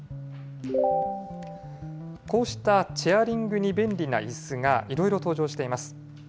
こうしたチェアリングに便利ないすが、いろいろ登場しています。